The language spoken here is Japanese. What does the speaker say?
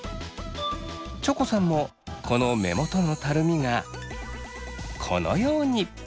チョコさんもこの目元のたるみがこのように！